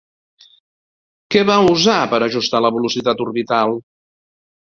Què va usar per ajustar la velocitat orbital?